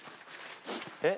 えっ